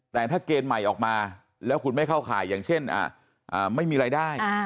แต่ถ้าเกณฑ์ใหม่ออกมาแล้วคุณไม่เข้าข่ายอย่างเช่นไม่มีรายได้